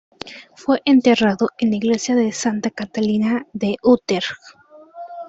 Fue enterrado en la iglesia de Santa Catalina de Utrecht.